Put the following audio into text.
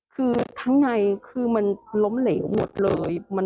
คือทั้งในคือมันล้มเหลวหมดเลย